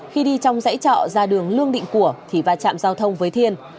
khi đi trong dãy trọ ra đường lương định của thì va chạm giao thông với thiên